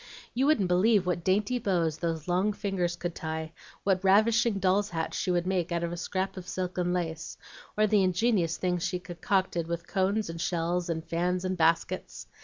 You wouldn't believe what dainty bows those long fingers could tie, what ravishing doll's hats she would make out of a scrap of silk and lace, or the ingenious things she concocted with cones and shells and fans and baskets.